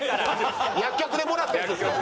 薬局でもらったやつですか？